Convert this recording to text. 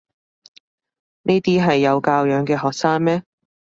呢啲係有教養嘅學生咩？